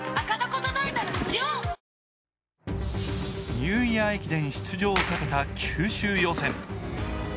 ニューイヤー駅伝出場をかけた九州予選。